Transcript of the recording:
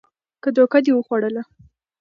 که دوکه دې وخوړه